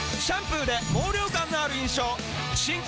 シャンプーで毛量感のある印象新！